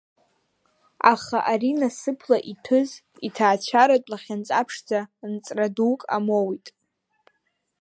Аха ари насыԥла иҭәыз иҭаацәаратә лахьынҵа-ԥшӡа нҵра дук амоуит.